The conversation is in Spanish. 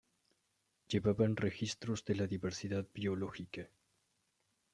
Llevaban registros de la diversidad biológica.